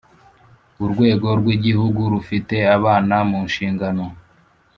urwego rw Igihugu rufite abana mu nshingano